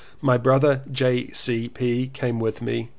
My brother J. C. P. came with me.